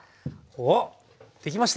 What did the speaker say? おっできました！